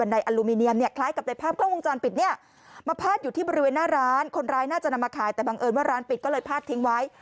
แต่บังเอิญว่าร้านปิดก็เลยพลาดทิ้งไว้